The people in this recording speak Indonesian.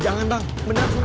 jangan bang beneran sumpah